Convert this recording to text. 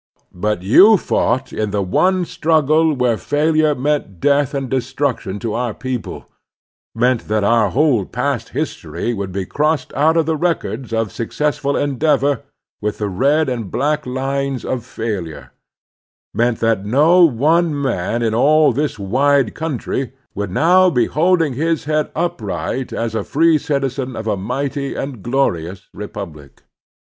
But you fought in the one struggle where failure meant death and de struction to our people; meant that our whole past history would be crossed out of the records of successful endeavor with the red and black lines of f ailiure ; meant that not one man in all this wide cotmtry would now be holding his head upright as a free citizen of a mighty and glorious republic.